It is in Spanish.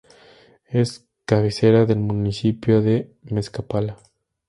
Es cabecera del municipio de Mezcalapa.